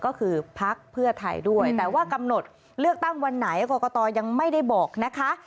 ก็คือพักเพื่อไทยด้วยแต่ว่ากำหนดเลือกตั้งวันไหนกรกตยังไม่ได้บอกนะคะ